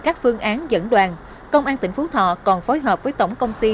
các phương án dẫn đoàn công an tỉnh phú thọ còn phối hợp với tổng công ty